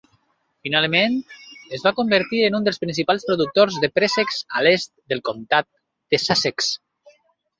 Finalment, es va convertir en un dels principals productors de préssecs a l"est del comtat de Sussex.